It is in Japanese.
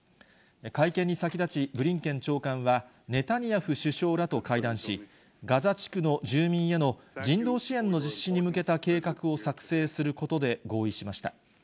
会見に先立ち、ブリンケン長官は、ネタニヤフ首相らと会談し、ガザ地区の住民への人道支援の実施に向けた計画を作成することで合意しました。